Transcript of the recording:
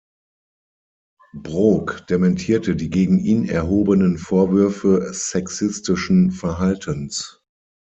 Brok dementierte die gegen ihn erhobenen Vorwürfe sexistischen Verhaltens.